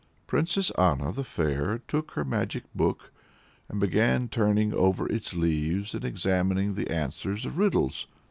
Princess Anna the Fair took her magic book, and began turning over its leaves and examining the answers of riddles.